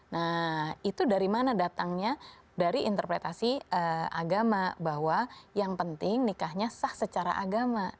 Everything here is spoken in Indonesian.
nah itu dari mana datangnya dari interpretasi agama bahwa yang penting nikahnya sah secara agama